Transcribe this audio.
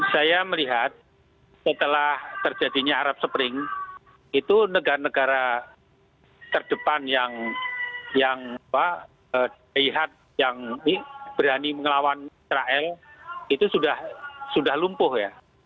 saya melihat setelah terjadinya arab spring itu negara negara terdepan yang berani melawan israel itu sudah lumpuh ya